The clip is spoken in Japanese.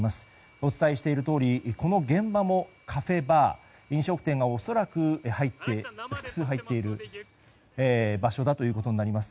お伝えしているとおりこの現場もカフェバー飲食店が複数入っている場所ということになります。